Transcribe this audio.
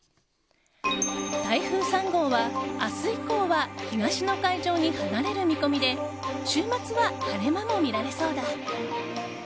台風３号は、明日以降は東の海上に離れる見込みで週末は晴れ間も見られそうだ。